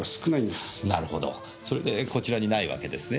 なるほどそれでこちらにないわけですね。